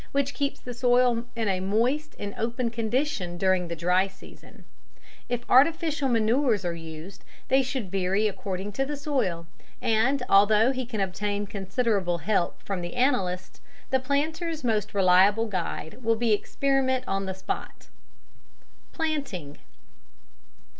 which keep the soil in a moist and open condition during the dry season. If artificial manures are used they should vary according to the soil, and, although he can obtain considerable help from the analyst, the planter's most reliable guide will be experiment on the spot. Bulletin, Botanic Dept., Jamaica, February, 1900. _Planting.